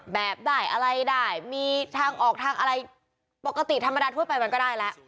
แบบได้อะไรได้มีทางออกทางอะไรปกติธรรมดาทั่วไปมันก็ได้แล้ว